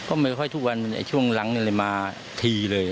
ก็ไม่ค่อยทุกวันไอ้ช่วงหลังเนี่ยมาทีเลย